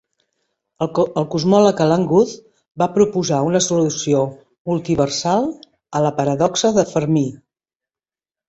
El cosmòleg Alan Guth va proposar una solució multiversal a la paradoxa de Fermi.